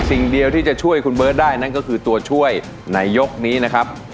สิ่งเดียวที่จะช่วยคุณเบิร์ตได้นั่นก็คือตัวช่วยในยกนี้นะครับ